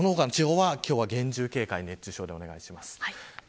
その他の地方は今日は厳重警戒熱中症対策お願いします。